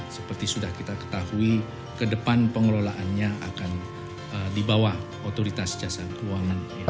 seperti sudah kita ketahui ke depan pengelolaannya akan di bawah otoritas jasa keuangan